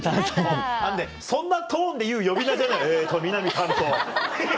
そんなトーンで言う呼び名じゃない「えっと美波たんと」。